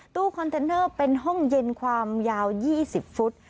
ตู้คอนเทนเนอร์เป็นห้องเย็นความยาว๒๐ฟุต